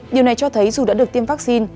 điều này cho thấy dù đã được tiêm vaccine